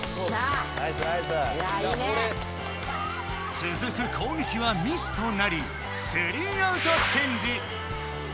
つづく攻撃はミスとなり３アウトチェンジ！